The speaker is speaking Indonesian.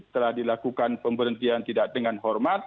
telah dilakukan pemberhentian tidak dengan hormat